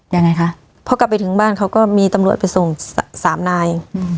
ยังไงคะพอกลับไปถึงบ้านเขาก็มีตำรวจไปส่งสามนาย